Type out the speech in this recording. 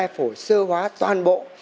hai phổi sơ hóa toàn bộ